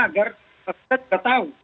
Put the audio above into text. agar kita tahu